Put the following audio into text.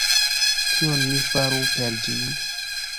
Kion mi faru per ĝi...